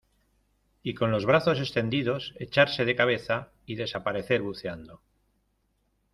y con los brazos extendidos echarse de cabeza y desaparecer buceando.